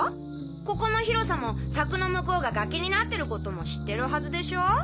ここの広さも柵の向こうが崖になってることも知ってるはずでしょ？